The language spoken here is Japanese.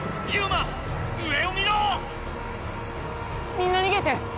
みんなにげて！